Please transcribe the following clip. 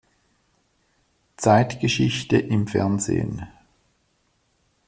Zeitgeschichte im Fernsehen“.